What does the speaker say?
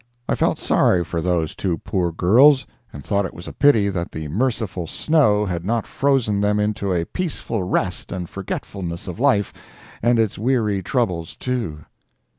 I felt sorry for those two poor girls, and thought it was a pity that the merciful snow had not frozen them into a peaceful rest and forgetfulness of life and its weary troubles, too.